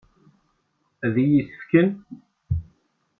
Ad iyi-tt-fken?